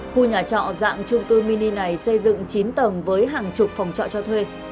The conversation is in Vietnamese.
khu nhà trọ dạng trung cư mini này xây dựng chín tầng với hàng chục phòng trọ cho thuê